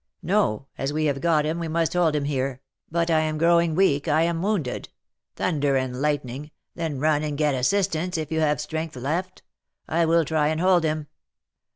'No, as we have got him we must hold him here. But I am growing weak, I am wounded.' 'Thunder and lightning! then run and get assistance, if you have strength left; I will try and hold him.'